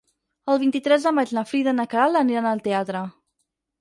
El vint-i-tres de maig na Frida i na Queralt aniran al teatre.